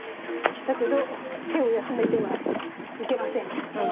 だけど手を休めてはいけません。